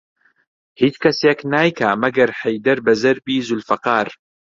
هیچ کەسێک نایکا مەگەر حەیدەر بە زەربی زولفەقار